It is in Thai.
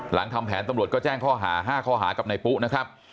หลังทำแผนตำรวจก็แจ้งข้อหา๕ข้อหากับนายปุ๊นะครับ